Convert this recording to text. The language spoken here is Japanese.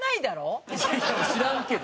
知らんけど。